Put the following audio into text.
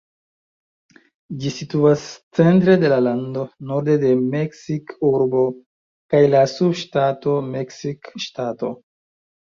Ĝi situas centre de la lando, norde de Meksikurbo kaj la subŝtato Meksikŝtato.